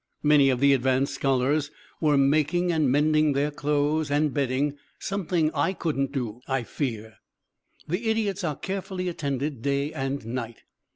Many of the advanced scholars were making and mending their clothes and bedding; something I couldn't do, I fear. The idiots are carefully attended day and night.